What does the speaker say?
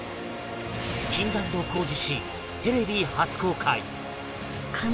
禁断の工事誌テレビ初公開